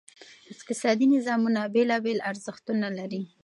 اقتصادي نظامونه بېلابېل ارزښتونه لري.